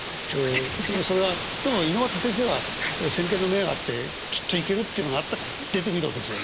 でもそれはでも猪俣先生は先見の明があってきっといけるっていうのがあったから「出てみろ」でしょうねきっとね。